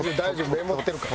メモってるから。